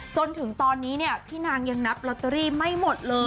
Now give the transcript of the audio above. จนถึงตอนนี้เนี่ยพี่นางยังนับลอตเตอรี่ไม่หมดเลย